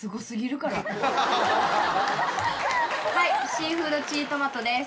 シーフードチリトマトです。